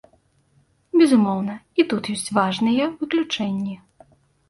Безумоўна, і тут ёсць важныя выключэнні.